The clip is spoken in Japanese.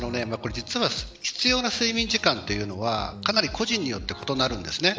実は必要な睡眠時間というのはかなり個人によって異なるんです。